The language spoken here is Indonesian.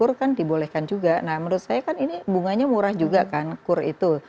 kur kan dibolehkan juga nah menurut saya kan ini bunganya murah juga kan kur itu